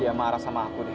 ah dia marah sama aku deh